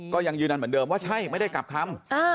ก็ยังยืนยันเหมือนเดิมว่าใช่ไม่ได้กลับคำ